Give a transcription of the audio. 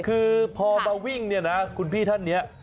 คือพอมาวิ่งเนี่ยนะคุณพี่ท่านเนี่ย